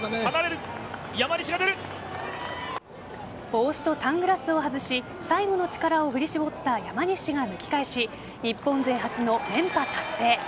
帽子とサングラスを外し最後の力を振り絞った山西が抜き返し日本勢初の連覇達成。